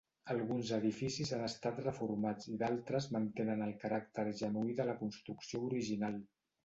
Alguns edificis han estat reformats i d'altres mantenen el caràcter genuí de la construcció original.